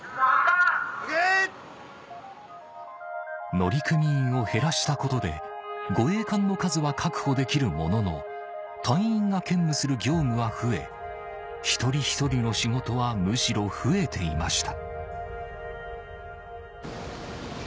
乗組員を減らしたことで護衛艦の数は確保できるものの隊員が兼務する業務は増え一人一人の仕事はむしろ増えていました